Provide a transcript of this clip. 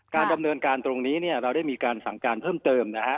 การดำเนินการตรงนี้เนี่ยเราได้มีการสั่งการเพิ่มเติมนะฮะ